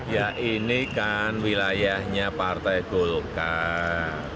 ya ini kan wilayahnya partai golkar